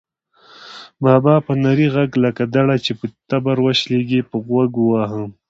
بابا په نري غږ لکه دړه چې په تبر وشلېږي، په غوږ وواهه.